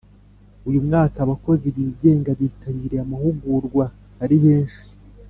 Uyu umwaka abakozi bingenga bitabiriye amahugurwa ari benshi